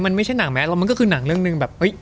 มันไม่ใช่หนังแม้แล้วมันก็คือหนังเรื่องหนึ่งแบบ